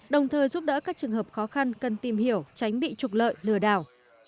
đồng thời giúp đỡ các trường hợp khó khăn cần tìm hiểu tránh bị trục lợi lừa đảo